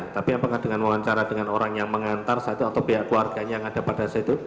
tapi apakah dengan wawancara dengan orang yang mengantar saat itu atau pihak keluarganya yang ada pada saat itu